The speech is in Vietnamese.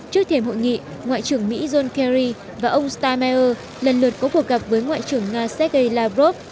trước thềm hội nghị ngoại trưởng mỹ john kerry và ông stammeier lần lượt có cuộc gặp với ngoại trưởng nga sergei lavrov